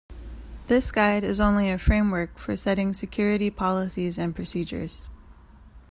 This guide is only a framework for setting security policies and procedures.